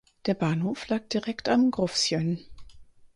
Der Bahnhof lag direkt am Gruvsjön.